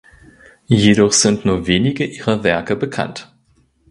Jedoch sind nur wenige ihrer Werke bekannt.